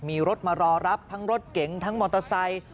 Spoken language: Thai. มีรถมารอรับทั้งรถเก๋งทั้งมอเตอร์ไซค์